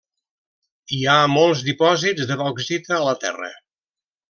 Hi ha molts dipòsits de bauxita a la terra.